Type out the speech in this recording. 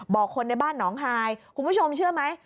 บอกคนในบ้านหนองฮายคุณผู้ชมเชื่อไหม